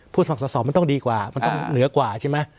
ผู้สมัครสอสอมันต้องดีกว่ามันต้องเหนือกว่า